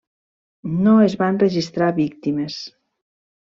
No es van registrar víctimes.